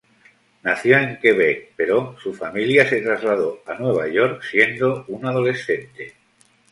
Nació en Quebec pero su familia se trasladó a Nueva York siendo un adolescente.